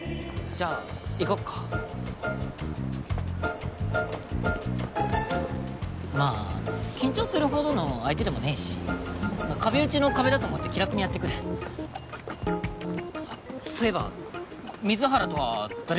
じゃあ行こっかまぁ緊張するほどの相手でもねぇし壁打ちの壁だと思って気楽にやってくれそういえば水原とはどれぐらいの関係？